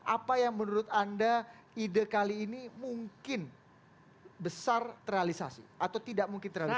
apa yang menurut anda ide kali ini mungkin besar terrealisasi atau tidak mungkin terrealisasi